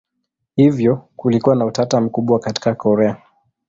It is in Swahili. Hivyo kulikuwa na utata mkubwa katika Korea.